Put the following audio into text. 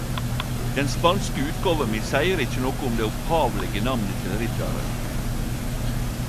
Den spanske utgåva mi seier ikkje noko om det opphavlege namnet til riddaren.